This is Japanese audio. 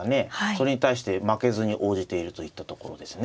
それに対して負けずに応じているといったところですね。